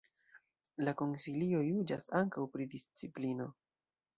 La Konsilio juĝas ankaŭ pri disciplino.